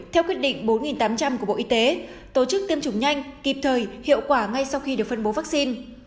theo quyết định bốn tám trăm linh của bộ y tế tổ chức tiêm chủng nhanh kịp thời hiệu quả ngay sau khi được phân bố vaccine